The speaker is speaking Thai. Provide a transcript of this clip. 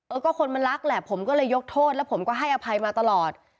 เอ้าก็คนมันรักแหละผมก็เลยยกโทษและหภัยมาตลอด